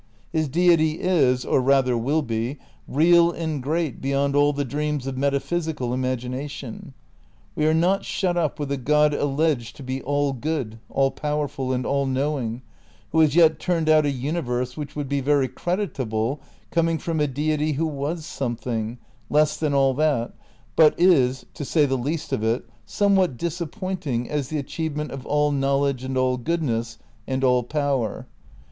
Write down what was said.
His Deity is, or rather will be, real and great beyond all the dreams of metaphysi cal imagination. We are not shut up with a God al leged to be all good, all powerful and all knowing, who has yet turned out a universe which would be very creditable coming from a Deity who was something less than all that, but is, to say the least of it, some what disappointing as the achievement of all knowl edg'e and all goodness, and all power.